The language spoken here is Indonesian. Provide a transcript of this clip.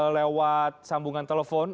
lewat sambungan telepon